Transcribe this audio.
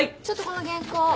ちょっとこの原稿。